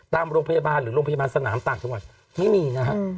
ตามโรงพยาบาลหรือโรงพยาบาลสนามต่างจังหวัดไม่มีนะฮะ